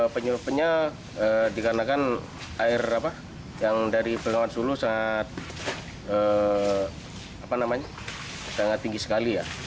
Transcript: penyebabnya dikarenakan air yang dari bengawan solo sangat tinggi sekali ya